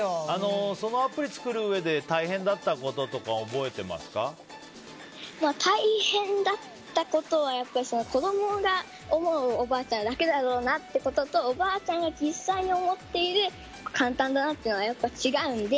そのアプリを作るうえで大変だったこととか大変だったことは子供が思う、おばあちゃん楽だろうなっていうこととおばあちゃんが実際に思っている簡単だなっていうのはやっぱり違うので。